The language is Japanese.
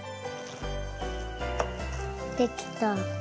できた。